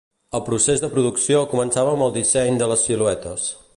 El procés de producció començava amb el disseny de les siluetes.